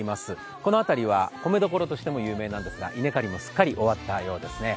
この辺りは米どころとしても有名なんですが稲刈りもすっかり終わったようですね。